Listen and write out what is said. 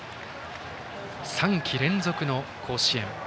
３季連続の甲子園。